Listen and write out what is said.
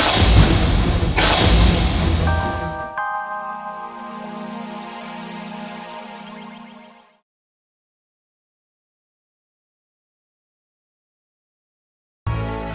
sampai jumpa di video selanjutnya